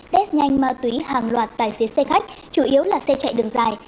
test nhanh ma túy hàng loạt tài xế xe khách chủ yếu là xe chạy đường dài